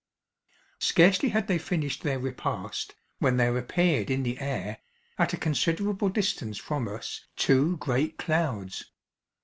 Scarcely had they finished their repast, when there appeared in the air, at a considerable distance from us, two great clouds.